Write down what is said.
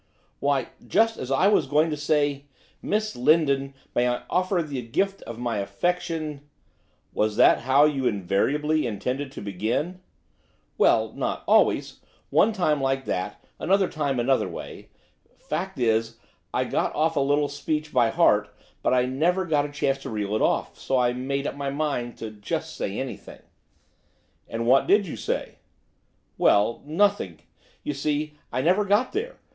'Why, just as I was going to say, "Miss Lindon, may I offer you the gift of my affection "' 'Was that how you invariably intended to begin?' 'Well, not always one time like that, another time another way. Fact is, I got off a little speech by heart, but I never got a chance to reel it off, so I made up my mind to just say anything.' 'And what did you say?' 'Well, nothing, you see, I never got there.